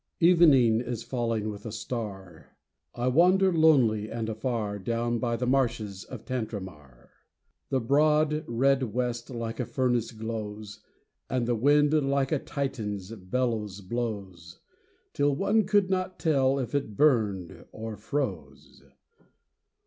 VENING is falling with a star : I wander lonely and afar Down by the marshes of Tantramar. The broad, red west like a furnace glows, And the wind like a Titan's bellows blows, 'Till one could not tell if it burned or froze.